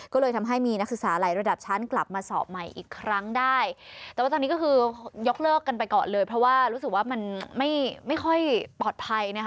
ก็เลยทำให้มีนักศึกษาหลายระดับชั้นกลับมาสอบใหม่อีกครั้งได้